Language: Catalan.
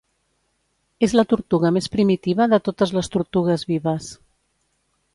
És la tortuga més primitiva de totes les tortugues vives.